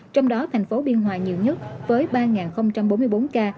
trong đó thành phố biên hòa nhiều nhất với ba bốn mươi bốn ca